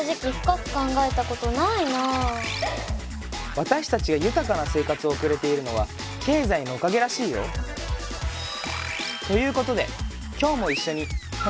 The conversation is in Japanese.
私たちが豊かな生活を送れているのは経済のおかげらしいよ。ということで今日も一緒に楽しく学んでいきましょう！